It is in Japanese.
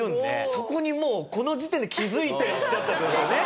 そこにもうこの時点で気づいてらっしゃったって事。